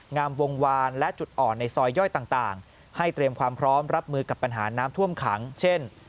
งามวงวานและจุดอ่อนในซอยย่อยต่างให้เตรียมความพร้อมรับมือกับปัญหาน้ำท่วมขังเช่น